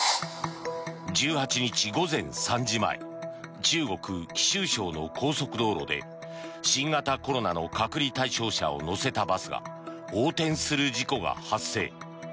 １８日午前３時前中国・貴州省の高速道路で新型コロナの隔離対象者を乗せたバスが横転する事故が発生。